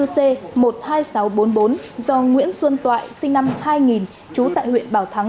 hai mươi c một mươi hai nghìn sáu trăm bốn mươi bốn do nguyễn xuân toại sinh năm hai nghìn trú tại huyện bảo thắng